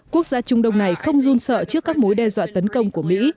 quốc gia trung đông này không run sợ trước các mối đe dọa tấn công của mỹ